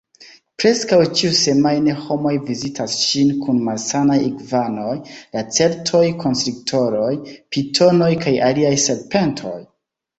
Preskaŭ ĉiusemajne homoj vizitas ŝin kun malsanaj igvanoj, lacertoj, konstriktoroj, pitonoj kaj aliaj serpentoj.